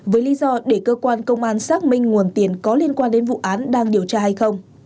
với lý do để cơ quan công an xác minh nguồn tiền có liên quan đến vụ án đang điều tra hay không